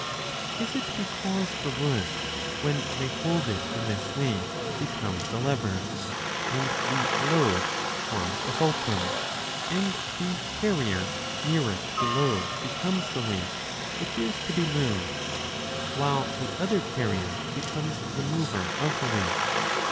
Is it because the wood, when they hold it in this way, becomes a lever, and the load forms the fulcrum, and the carrier nearer to the load becomes the weight which is to be moved, while the other carrier r 5 becomes the mover of the weight